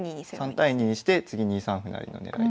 ３対２にして次２三歩成の狙いですね。